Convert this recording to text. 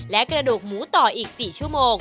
และกระดูกหมูต่ออีก๔ชั่วโมง